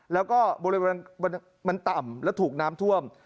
แล้วก็บริเวณมันต่ำและถูกน้ำท่วม